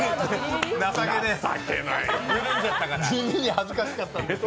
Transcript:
地味に恥ずかしかった。